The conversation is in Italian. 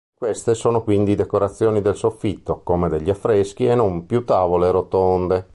Queste sono quindi decorazioni del soffitto, come degli affreschi, e non più tavole rotonde.